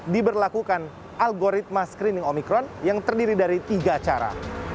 diberlakukan algoritma screening omikron yang terdiri dari tiga cara